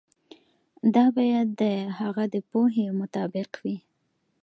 دا باید د هغه د پوهې مطابق وي.